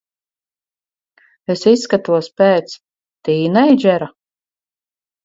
Es izskatos pēc... tīneidžera?